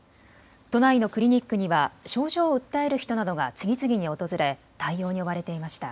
都内のクリニックには症状を訴える人などが次々に訪れ対応に追われていました。